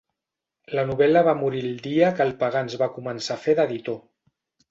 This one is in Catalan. La novel·la va morir el dia que el Pagans va començar a fer d'editor.